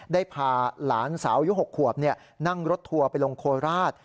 ได้พาหลานสาวอายุ๖ขวบนั่งรถทัวร์ไปลงโคราช